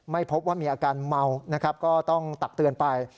ไม่พบว่ามีอาการเมานะครับก็ต้องตักเตือนไป